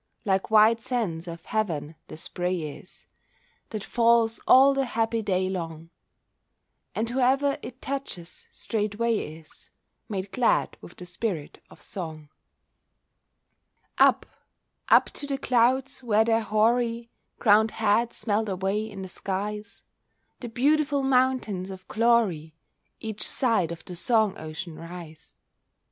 Like white sands of heaven the spray is That falls all the happy day long, And whoever it touches straightway is Made glad with the spirit of song. Up, up to the clouds where their hoary Crowned heads melt away in the skies, The beautiful mountains of glory Each side of the song ocean rise.